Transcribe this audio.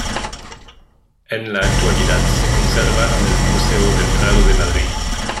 En la actualidad se conserva en el Museo del Prado de Madrid.